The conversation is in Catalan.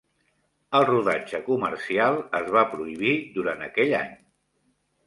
El rodatge comercial es va prohibir durant aquell any.